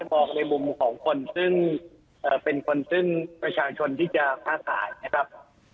มองในมุมของคนซึ่งเป็นคนซึ่งประชาชนที่จะค้าขายนะครับ